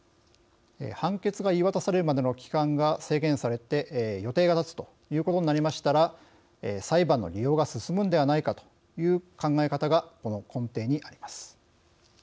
判決が言い渡されるまでの期間が制限されて予定が立つということなりますと裁判の利用が進むんではないかという考え方がその根底にあります。